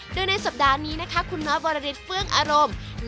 โดยในสัปดาห์นี้นะคะคุณนอทวรริสเฟื่องอารมณ์